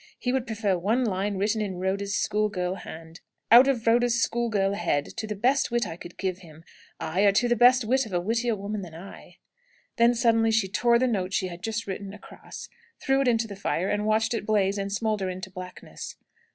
He would prefer one line written in Rhoda's school girl hand, out of Rhoda's school girl head, to the best wit I could give him; aye, or to the best wit of a wittier woman than I." Then suddenly she tore the note she had just written across, threw it into the fire, and watched it blaze and smoulder into blackness.